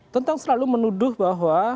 tentang selalu menuduh bahwa